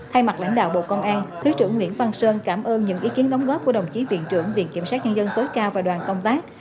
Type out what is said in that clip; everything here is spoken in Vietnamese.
thay mặt lãnh đạo bộ công an thứ trưởng nguyễn văn sơn cảm ơn những ý kiến đóng góp của đồng chí viện trưởng viện kiểm sát nhân dân tối cao và đoàn công tác